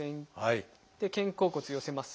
肩甲骨寄せます。